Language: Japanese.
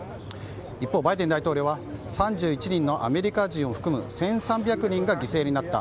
一方、バイデン大統領は３１人のアメリカ人を含む１３００人が犠牲になった。